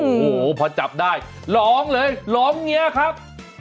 โอ้โหพอจับได้ร้องเลยร้องเงียครับ